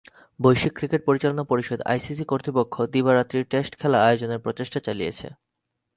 বৈশ্বিক ক্রিকেট পরিচালনা পরিষদ আইসিসি কর্তৃপক্ষ দিবা-রাত্রির টেস্ট খেলা আয়োজনের প্রচেষ্টা চালিয়েছে।